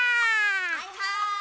・はいはい！